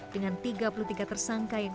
dengan tiga puluh tiga tersangka yang